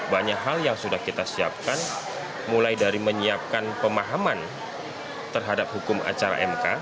banyak hal yang sudah kita siapkan mulai dari menyiapkan pemahaman terhadap hukum acara mk